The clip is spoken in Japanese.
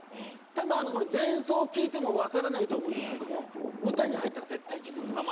多分これ前奏聴いても分からないと思うんですけども歌に入ったら絶対気付くんで。